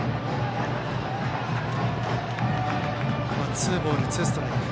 ツーボール、ツーストライク。